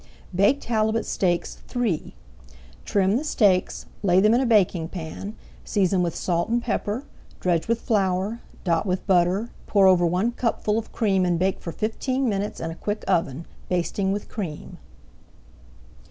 [Page 178] BAKED HALIBUT STEAKS III Trim the steaks, lay them in a baking pan, season with salt and pepper, dredge with flour, dot with butter, pour over one cupful of cream and bake for fifteen minutes in a quick oven, basting with cream.